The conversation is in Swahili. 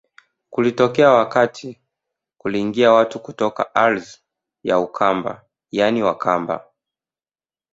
Kulitokea wakati kuliingia watu kutoka katika ardhi ya Ukamba yaani Wakamba